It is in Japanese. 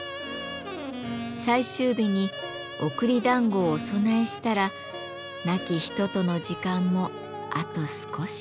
最終日に送り団子をお供えしたら亡き人との時間もあと少し。